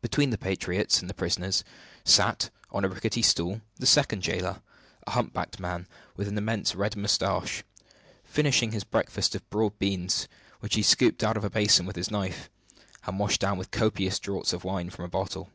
Between the patriots and the prisoners sat, on a rickety stool, the second jailer a humpbacked man, with an immense red mustache finishing his breakfast of broad beans, which he scooped out of a basin with his knife, and washed down with copious draughts of wine from a bottle.